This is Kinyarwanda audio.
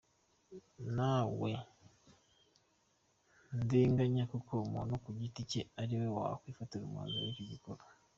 Ntawe ndenganya kuko umuntu ku giti cye ari we wifatira umwanzuro w’icyo gukora”.